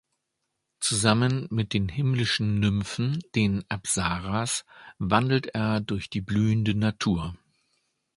Zusammen mit den himmlischen Nymphen, den Apsaras, wandelt er durch die blühende Natur.